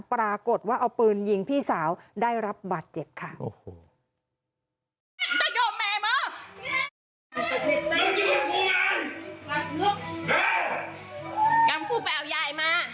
ปรากฏว่าเอาปืนยิงพี่สาวได้รับบาดเจ็บค่ะ